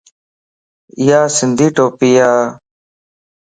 ايا سنڌي ٽوپي ا